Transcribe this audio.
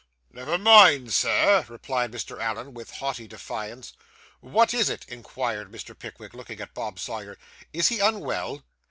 'Never mind, Sir!' replied Mr. Allen, with haughty defiance. 'What is it?' inquired Mr. Pickwick, looking at Bob Sawyer. 'Is he unwell?